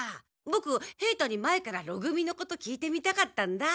ボク平太に前からろ組のこと聞いてみたかったんだ。